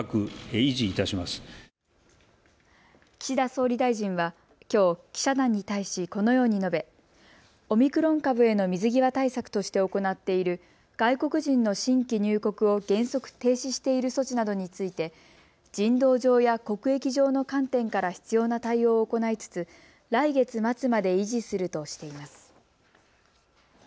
岸田総理大臣はきょう記者団に対しこのように述べオミクロン株への水際対策として行っている外国人の新規入国を原則停止している措置などについて人道上や国益上の観点から必要な対応を行いつつ来月末まで維持するとしています。